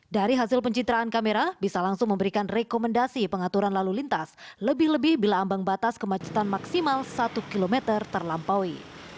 dari hasil pencitraan kamera bisa langsung memberikan rekomendasi pengaturan lalu lintas lebih lebih bila ambang batas kemacetan maksimal satu km terlampaui